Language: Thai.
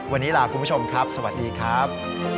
วันนี้ลาคุณผู้ชมครับสวัสดีครับ